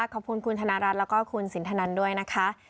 ขอบคุณคุณธนรัฐแล้วก็คุณสินทนันด้วยนะคะ